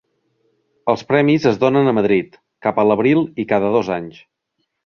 Els premis es donen a Madrid, cap a l'abril i cada dos anys.